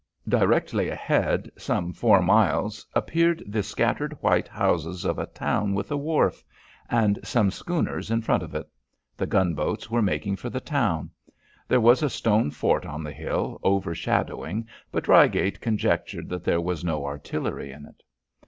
Directly ahead, some four miles, appeared the scattered white houses of a town with a wharf, and some schooners in front of it. The gunboats were making for the town. There was a stone fort on the hill overshadowing, but Reigate conjectured that there was no artillery in it.